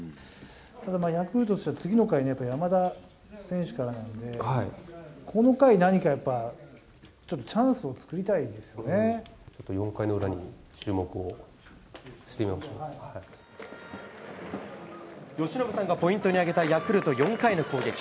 ただヤクルトとしては次の回、やっぱり山田選手からなんで、この回、何かやっぱ、ちょっとチちょっと４回の裏に注目をし由伸さんがポイントに挙げたヤクルト、４回の攻撃。